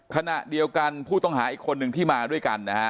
ขณะเดียวกันผู้ต้องหาอีกคนนึงที่มาด้วยกันนะฮะ